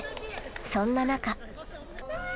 ［そんな中］